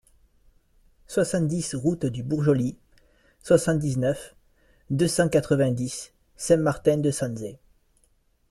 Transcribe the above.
soixante-dix route du Bourg Joly, soixante-dix-neuf, deux cent quatre-vingt-dix, Saint-Martin-de-Sanzay